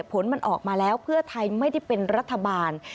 ผลมันออกมาแล้วเพื่อไทยไม่ได้เป็นรัฐบาล